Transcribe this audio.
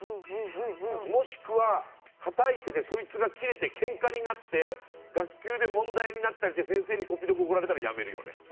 もしくは、たたいててそいつがキレてけんかになって学級で問題になって先生にこっぴどく怒られたらやめるよね。